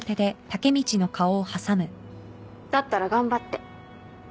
だったら頑張って。